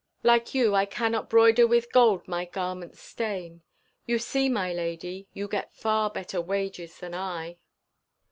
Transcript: Like you I cannot 'broider with gold my garments' stain, You see, my lady, you get far better wages than I.